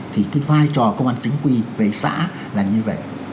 thì cái vai trò công an chính quy về xã là như vậy